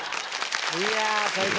いや最高。